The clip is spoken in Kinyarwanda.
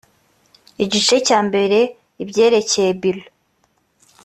igice cya mbere ibyerekeye biro